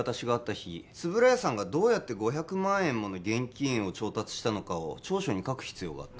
日円谷さんがどうやって５００万円もの現金を調達したのかを調書に書く必要があった